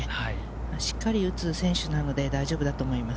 しっかり打つ選手なので、大丈夫だと思います。